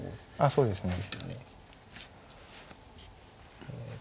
そうですね。